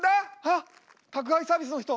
あっ宅配サービスの人。